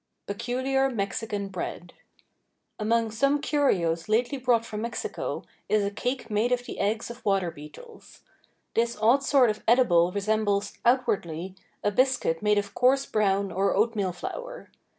PECULIAR MEXICAN BREAD. Among some curios lately brought from Mexico, is a cake made of the eggs of water beetles. This odd sort of edible resembles, outwardly, a biscuit made of coarse brown or oatmeal flour.